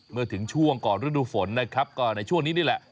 เมื่อถึงช่วงก่อนฤดูฝนนะครับก็ในช่วงนี้นี่แหละ